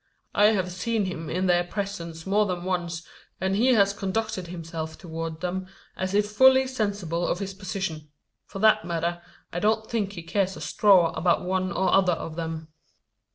I have seen him in their presence more than once, and he has conducted himself towards them as if fully sensible of his position. For that matter, I don't think he cares a straw about one or other of them."